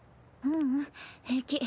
ううん平気。